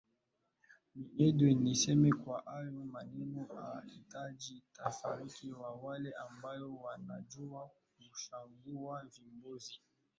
mi edwin niseme kwamba hayo maneno nahitaji tafakari na wale ambao wanajua kuchanganua vibonzo